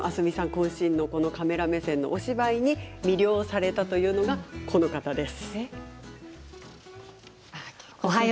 こん身のカメラ目線のお芝居に魅了されたというのがこの方です。